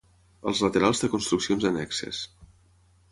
Als laterals té construccions annexes.